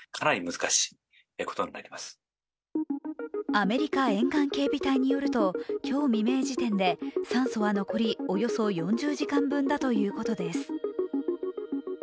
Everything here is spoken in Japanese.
アメリカ沿岸警備隊によると、今日未明時点で酸素は残りおよそ４０時間分だということです。